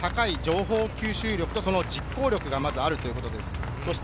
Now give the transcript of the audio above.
高い情報吸収力と実行力があるということです。